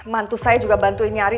mantu saya juga bantuin nyari